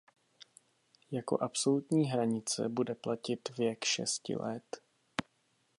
Jako absolutní hranice bude platit věk šesti let.